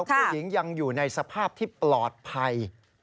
ผู้หญิงยังอยู่ในสภาพที่ปลอดภัย